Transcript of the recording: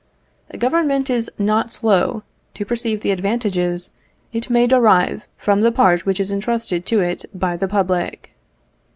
Government is not slow to perceive the advantages it may derive from the part which is entrusted to it by the public.